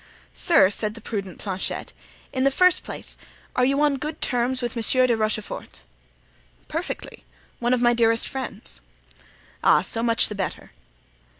"Sir," said the prudent Planchet, "in the first place, are you on good terms with Monsieur de Rochefort?" "Perfectly; one of my dearest friends." "Ah! so much the better!"